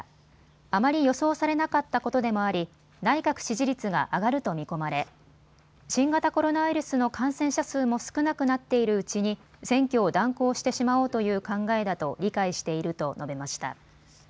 あまり予想されなかったことでもあり、内閣支持率が上がると見込まれ新型コロナウイルスの感染者数も少なくなっているうちに選挙を断行してしまおうという考えだと理解していると述べました。